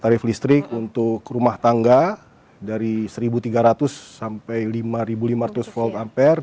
tarif listrik untuk rumah tangga dari satu tiga ratus sampai lima lima ratus volt ampere